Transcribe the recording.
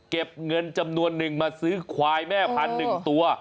เก็บเงินจำนวนหนึ่งมาซื้อควายแม่พันธุ์๑ตัว